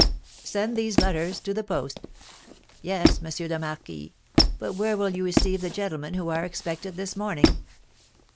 "Send these letters to the post." "Yes, M. le Marquis; but where will you receive the gentlemen who are expected this morning?"